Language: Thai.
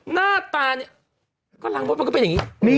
หน้าตาเนี่ยก็รังมดมันก็เป็นอย่างนี้